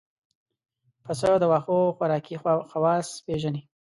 پسه د واښو خوراکي خواص پېژني.